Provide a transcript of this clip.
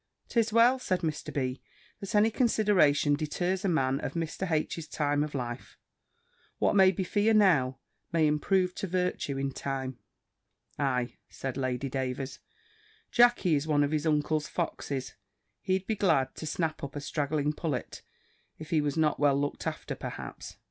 "'Tis well," said Mr. B.," that any consideration deters a man of Mr. H.'s time of life. What may be fear now, may improve to virtue in time." "Ay," said Lady Davers, "Jackey is one of his uncle's foxes: he'd be glad to snap up a straggling pullet, if he was not well looked after, perhaps."